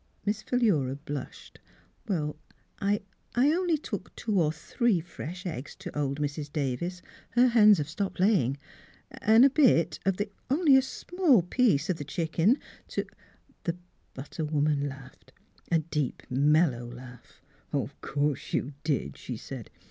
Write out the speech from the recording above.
Miss Philura blushed. "I — I only took two or three fresh eggs to old Mrs. Davis; her hens have stopped laying ; and a bit of the — only a small piece of the chicken to —" The butter woman laughed, a deep, mellow laugh. " 'Course you did," she said.